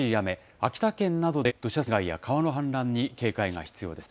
秋田県などで土砂災害や川の氾濫に警戒が必要です。